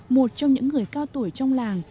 một trong những người cao tuổi trong làng